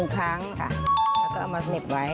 ครั้งค่ะแล้วก็เอามาเสน็บไว้